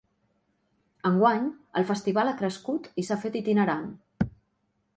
Enguany, el festival ha crescut i s’ha fet itinerant.